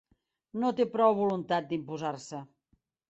No té prou voluntat d'imposar-se.